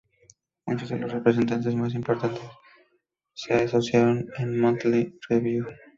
Muchos de los representantes más importantes se asociaron al Monthly Review.